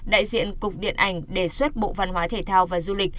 đại diện cục điện ảnh đề xuất bộ văn hóa thể thao và du lịch